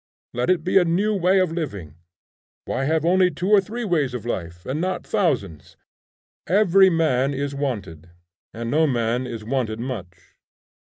Let it be a new way of living. Why have only two or three ways of life, and not thousands? Every man is wanted, and no man is wanted much.